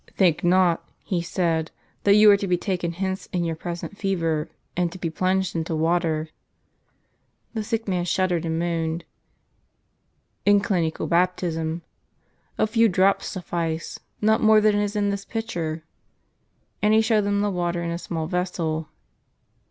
"Think not," he said, "that you are to be taken hence in your present fever, and to be plunged into water" (the sick man shuddered, and moaned) ;" in clinical baptism,* a few drops suffice, not more than is in this pitcher." And he showed him the water in a small vessel.